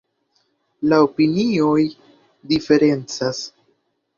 La opinioj diferencas.